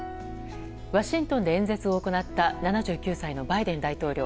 ワシントンで演説を行った７９歳のバイデン大統領。